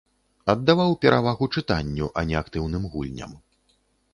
Аддаваў перавагу чытанню, а не актыўным гульням.